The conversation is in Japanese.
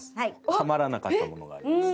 ハマらなかったものがあります。